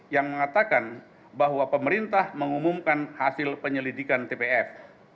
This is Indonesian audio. yang mengatakan bahwa pemerintah mengumumkan hasil penyelidikan tpf